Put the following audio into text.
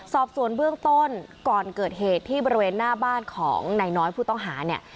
สอบสวนเบื้องต้นก่อนเกิดเหตุที่บริเวณหน้าบ้านของนายน้อยผู้ต้องหาเนี่ย